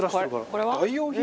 これは？